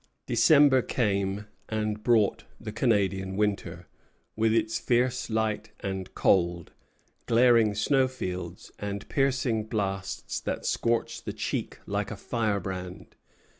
December came, and brought the Canadian winter, with its fierce light and cold, glaring snowfields, and piercing blasts that scorch the cheek like a firebrand.